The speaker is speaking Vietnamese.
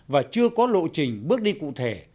và chưa có lộ trình bước đi cụ thể